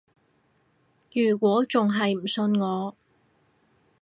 如果仲係唔信我